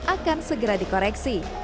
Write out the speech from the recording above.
akan segera dikoreksi